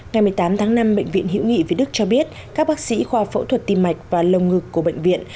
ngày một mươi tám tháng năm bệnh viện hữu nghị việt đức cho biết các bác sĩ khoa phẫu thuật tim mạch và lồng ngực của bệnh viện